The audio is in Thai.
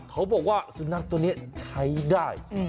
เขาบอกว่าสุนัขตัวนี้ใช้ได้